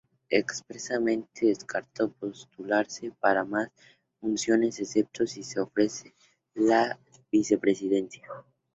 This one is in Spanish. Expresamente descartó postularse para más funciones excepto, si se ofrece, la Vicepresidencia.